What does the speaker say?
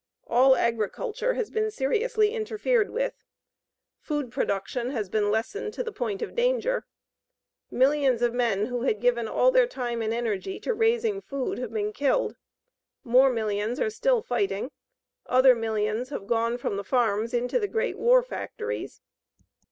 All agriculture has been seriously interfered with. Food production has been lessened to the point of danger. Millions of men who had given all their time and energy to raising food have been killed; more millions are still fighting; other millions have gone from the farms into the great war factories.